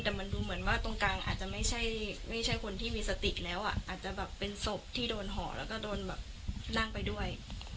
แต่มันดูเหมือนว่าตรงกลางอาจจะไม่ใช่คนที่มีสติแล้วอ่ะอาจจะแบบเป็นศพที่โดนห่อแล้วก็โดนแบบนั่งไปด้วย